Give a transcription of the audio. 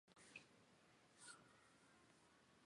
但是在中国的农历是以黑月做为一个月的开始。